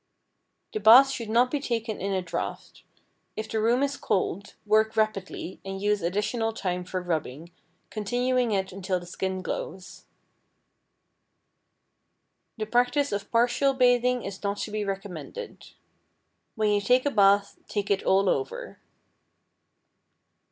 The bath should not be taken in a draught. If the room is cold, work rapidly and use additional time for rubbing, continuing it until the skin glows. The practice of partial bathing is not to be recommended. When you take a bath, take it all over.